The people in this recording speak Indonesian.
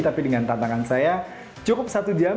tapi dengan tantangan saya cukup satu jam